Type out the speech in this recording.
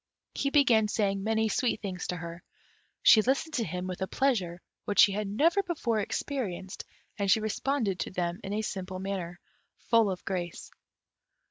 He began saying many sweet things to her. She listened to him with a pleasure which she had never before experienced, and she responded to them in a simple manner, full of grace.